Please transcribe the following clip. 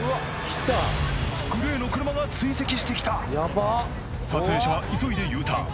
グレーの車が追跡してきた撮影者は急いでＵターン